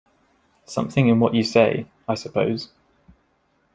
Something in what you say, I suppose.